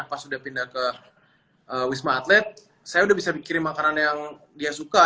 pas udah pindah ke wisma atlet saya udah bisa kirim makanan yang dia suka